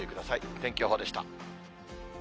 天気予報でした。